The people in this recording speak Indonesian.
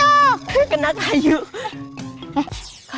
aduh aduh aduh